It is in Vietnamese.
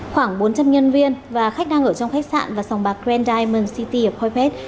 khoảng bốn trăm linh nhân viên và khách đang ở trong khách sạn và sòng bạc grand diamond city ở papace